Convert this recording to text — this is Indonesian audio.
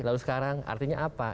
lalu sekarang artinya apa